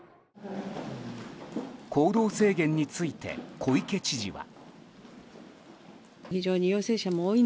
行動制限について小池知事は。